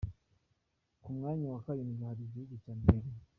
Ku mwanya wa karindwi hari igihugu cya Nigeria.